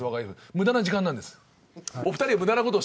無駄な時間なんです。